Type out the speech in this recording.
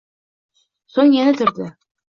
Soʻng yana turdi